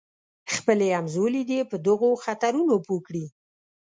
خپل همزولي دې په دغو خطرونو پوه کړي.